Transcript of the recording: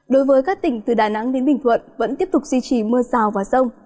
đối với các tỉnh từ đà nẵng đến bình thuận vẫn tiếp tục duy trì mưa rào và rông